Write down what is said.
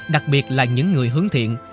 đặc biệt là những người hướng thiện